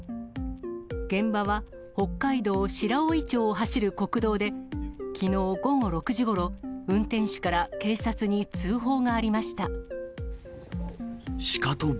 現場は北海道白老町を走る国道で、きのう午後６時ごろ、運転手から警察に通報がありました。